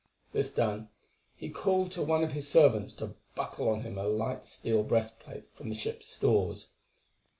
This done, he called to one of his servants to buckle on him a light steel breastplate from the ship's stores.